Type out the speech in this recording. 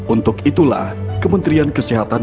untuk itulah kementerian kesehatan